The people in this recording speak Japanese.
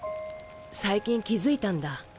最近気付いたんだ。